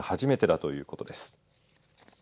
初めてだということです。